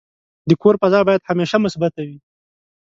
د کور فضا باید همیشه مثبته وي.